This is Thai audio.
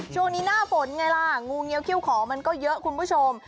ช่วงนี้หน้าฝนไงล่ะงูเงี้ยเขี้ยขอมันก็เยอะคุณผู้ชม